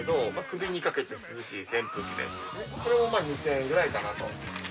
これもまあ２０００円ぐらいかなと。